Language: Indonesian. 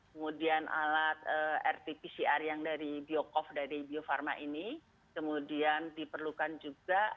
kemudian alat rt pcr yang dari biocov dari bio farma ini kemudian diperlukan juga